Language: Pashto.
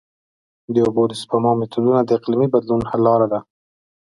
د اوبو د سپما میتودونه د اقلیمي بدلون حل لاره ده.